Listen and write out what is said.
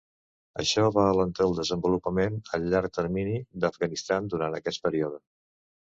Això va alentir el desenvolupament a llarg termini d'Afganistan durant aquest període.